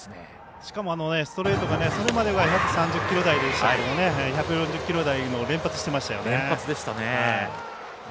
しかも、ストレートがそれまでは１３０キロ台でしたが１４０キロ台を連発してましたね。